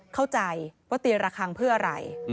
เข้าใจว่าตีระคังเพื่ออะไร